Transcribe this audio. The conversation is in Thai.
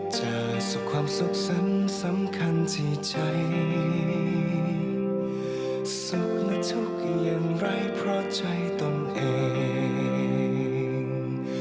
จากความสุขสรรค์สำคัญที่ใจสุขและทุกข์อย่างไรเพราะใจตนเอง